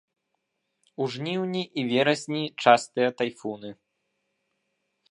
У жніўні і верасні частыя тайфуны.